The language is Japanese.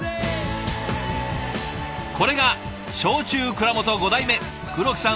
これが焼酎蔵元５代目黒木さん